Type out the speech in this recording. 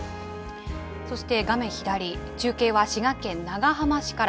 そして画面左、中継は滋賀県長浜市から。